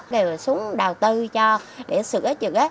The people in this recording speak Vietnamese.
kêu xuống đầu tư cho để sửa chữ